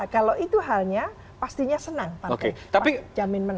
kalau itu halnya pastinya senang pak teguh